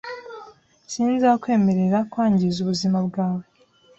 S Sinzakwemerera kwangiza ubuzima bwawe .